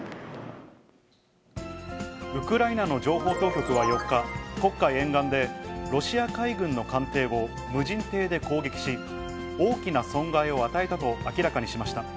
ウクライナの情報当局は４日、黒海沿岸でロシア海軍の艦艇を無人艇で攻撃し、大きな損害を与えたと明らかにしました。